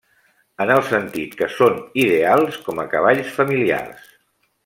En el sentit que són ideals com a cavalls familiars.